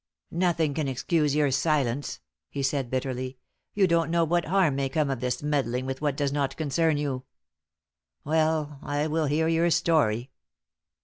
"Nothing can excuse your silence," he said, bitterly. "You don't know what harm may come of this meddling with what does not concern you. Well, I will hear your story."